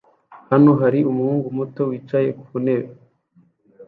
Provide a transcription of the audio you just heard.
Hano hari umuhungu muto wicaye ku ntebe